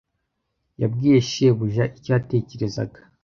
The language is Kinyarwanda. Yabwiye shebuja icyo yatekerezaga.